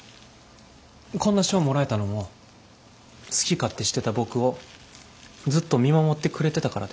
こんな賞もらえたのも好き勝手してた僕をずっと見守ってくれてたからです。